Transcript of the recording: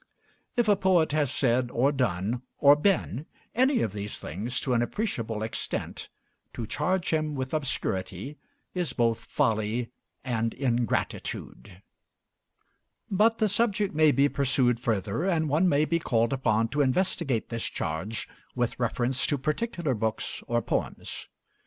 If a poet has said, or done, or been any of these things to an appreciable extent, to charge him with obscurity is both folly and ingratitude. But the subject may be pursued further, and one may be called upon to investigate this charge with reference to particular books or poems.